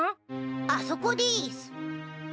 あそこでぃす！